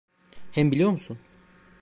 Hem biliyor musun…